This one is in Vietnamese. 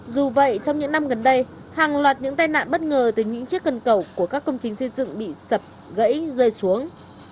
dù vậy trong những năm gần đây hàng loạt những tai nạn bất ngờ từ những chiếc cân cầu của các công trình xây dựng bị sập gãy rơi xuống